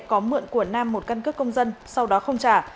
có mượn của nam một căn cước công dân sau đó không trả